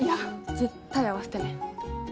絶対会わせてね。